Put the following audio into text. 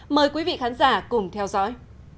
mời quý vị khán giả cùng theo dõi